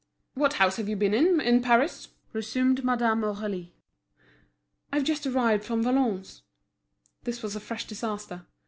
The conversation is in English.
"What house have you been in, in Paris?" resumed Madame Aurélie. "I've just arrived from Valognes." This was a fresh disaster.